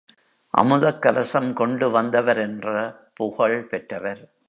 அமுதக்கலசம் கொண்டு வந்தவர் என்ற புகழ் பெற்றவர்.